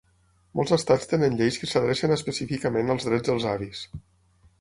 Molts estats tenen lleis que s'adrecen específicament als drets dels avis.